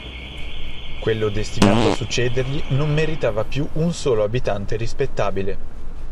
Quello destinato a succedergli non meritava più un solo abitante rispettabile.